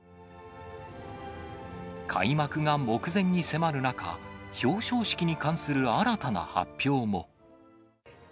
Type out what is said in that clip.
開幕が目前に迫る中、表彰式に関する新たな発表も。